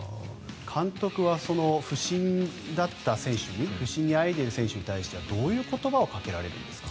監督は不振だった選手不振にあえいでいる選手にはどういう言葉をかけられるんですか？